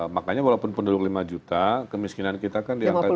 makanya walaupun penurunan lima juta kemiskinan kita kan diangkat